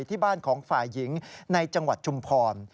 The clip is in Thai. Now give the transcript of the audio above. ที่บ้านของฝ่ายหญิงในจังหวัดชุมพร